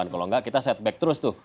kalau nggak kita set back terus tuh